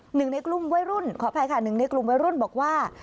หนึ่งในกลุ่มวัยรุ่นขออภัยค่ะหนึ่งในกลุ่มวัยรุ่นบอกว่า